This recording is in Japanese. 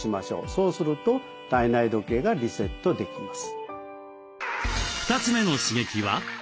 そうすると体内時計がリセットできます。